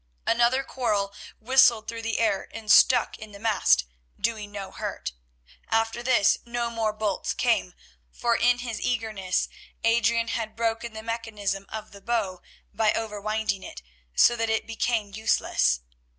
Another quarrel whistled through the air and stuck in the mast, doing no hurt. After this no more bolts came, for in his eagerness Adrian had broken the mechanism of the bow by over winding it, so that it became useless.